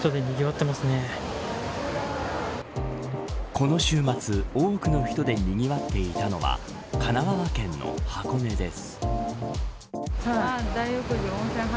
この週末多くの人でにぎわっているのは神奈川県の箱根です。